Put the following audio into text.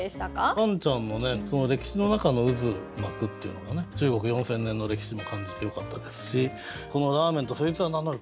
カンちゃんのねこの「歴史の中の渦巻く」っていうのが中国４，０００年の歴史も感じてよかったですしこの「『ラーメン』とそいつは名乗る」。